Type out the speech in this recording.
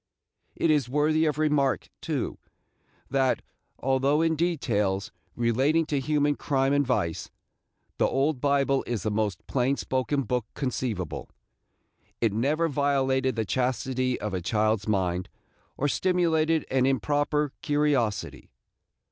It is worthy of remark, too, that, although in details relating to human crime and vice, the Old Bible is the most plain spoken book conceivable, it never violated the chastity of a child's mind, or stimulated an improper curiosity.